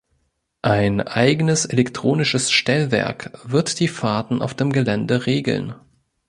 Ein eigenes elektronisches Stellwerk wird die Fahrten auf dem Gelände regeln.